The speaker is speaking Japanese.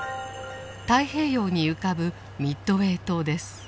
太平洋に浮かぶミッドウェー島です。